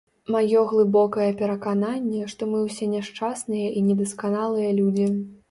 Маё глыбокае перакананне, што мы ўсе няшчасныя і недасканалыя людзі.